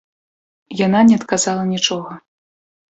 Яна не адказала нічога.